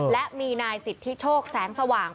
และมีนายสิทธิโชคแสงสว่าง